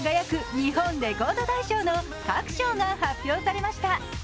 日本レコード大賞」の各賞が発表されました。